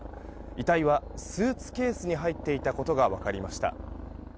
遺体はスーツケースに入っていたことが分かりました。